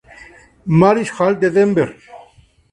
Mary's Hall de Denver.